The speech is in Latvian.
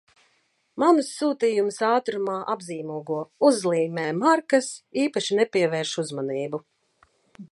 Manus sūtījumus ātrumā apzīmogo, uzlīmē markas, īpaši nepievērš uzmanību.